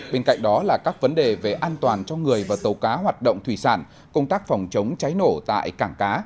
bên cạnh đó là các vấn đề về an toàn cho người và tàu cá hoạt động thủy sản công tác phòng chống cháy nổ tại cảng cá